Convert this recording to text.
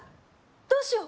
どうしよう